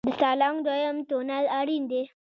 د سالنګ دویم تونل اړین دی